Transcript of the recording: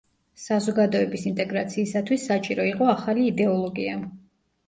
საზოგადოების ინტეგრაციისათვის საჭირო იყო ახალი იდეოლოგია.